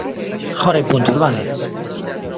Agora hai puntos, ¡vale!